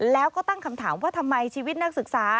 แล้วก็ตั้งคำถามว่าทำไมชีวิตนักศึกษา